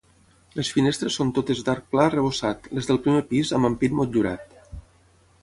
Les finestres són totes d'arc pla arrebossat, les del primer pis amb ampit motllurat.